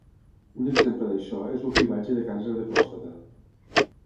Un exemple d'això és el cribratge de càncer de pròstata.